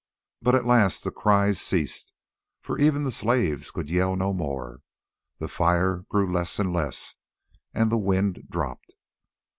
But at last the cries ceased, for even the slaves could yell no more; the fire grew less and less, and the wind dropped.